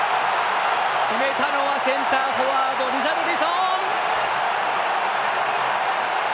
決めたのはセンターフォワードリシャルリソン！